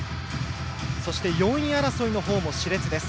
そして４位争いもしれつです。